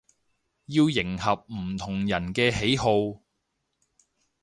要迎合唔同人嘅喜好